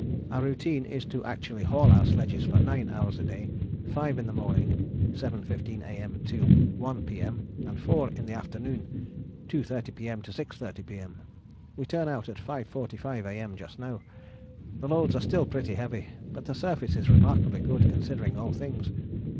Our routine is to actually haul our sledges for nine hours a day; five in the morning, 7.15 A.M. till 1 P.M.; and four in the afternoon, 2.30 P.M. 6.30 P.M. We turn out at 5.45 A.M. just now. The loads are still pretty heavy, but the surface is remarkably good considering all things.